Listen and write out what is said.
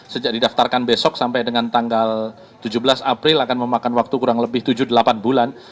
sejak didaftarkan besok sampai dengan tanggal tujuh belas april akan memakan waktu kurang lebih tujuh delapan bulan